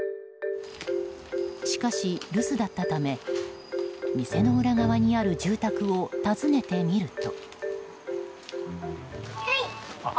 しかし、留守だったため店の裏側にある住宅を訪ねてみると。